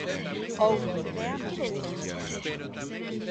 Houbo estrea nos lucenses.